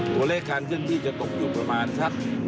ตัวเลขการเคลื่อนที่จะตกอยู่ประมาณสัก